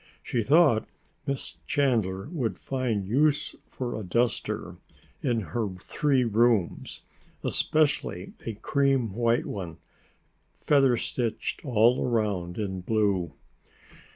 She thought Miss Chandler would find use for a duster in her three rooms, especially a cream white one, feather stitched all around in blue.